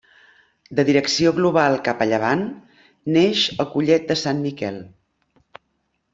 De direcció global cap a llevant, neix al Collet de Sant Miquel.